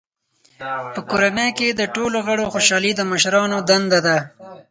په کورنۍ کې د ټولو غړو خوشحالي د مشرانو دنده ده.